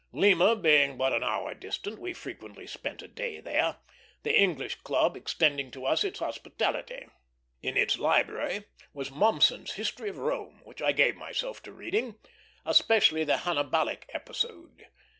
Lima being but an hour distant, we frequently spent a day there; the English Club extending to us its hospitality. In its library was Mommsen's History of Rome, which I gave myself to reading, especially the Hannibalic episode.